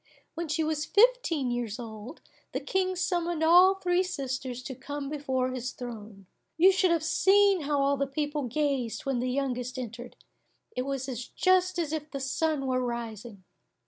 When she was fifteen years old, the King summoned all three sisters to come before his throne. You should have seen how all the people gazed when the youngest entered, it was just as if the sun were rising!